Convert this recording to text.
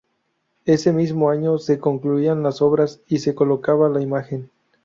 Ese mismo año se concluían las obras y se colocaba la imagen.